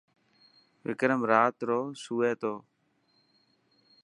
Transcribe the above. وڪرم رات رو سوي ٿو.